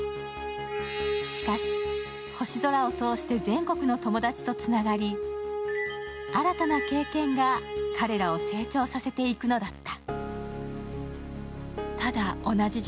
しかし、星空を通して全国の友達とつながり、新たな経験が彼らを成長させていくのだった。